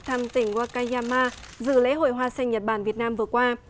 thăm tỉnh wakayama dự lễ hội hoa xanh nhật bản việt nam vừa qua